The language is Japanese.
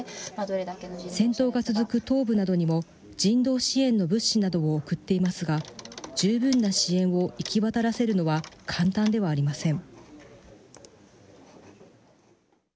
戦闘が続く東部などにも、人道支援の物資などを送っていますが、十分な支援を行き渡らせるのは簡単ではありません。